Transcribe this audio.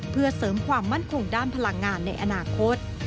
เพื่อเสริมความมั่นคงด้านพลังงานในอนาคต